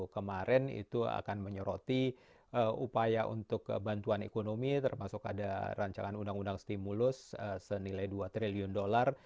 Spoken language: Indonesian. kemarin itu akan menyoroti upaya untuk bantuan ekonomi termasuk ada rancangan undang undang stimulus senilai dua triliun dolar